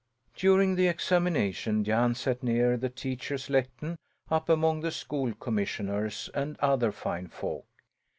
During the examination Jan sat near the teacher's lectern, up among the School Commissioners and other fine folk.